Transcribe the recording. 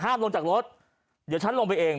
ลงจากรถเดี๋ยวฉันลงไปเอง